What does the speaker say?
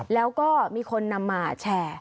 แล้วก็มีคนนำมาแชร์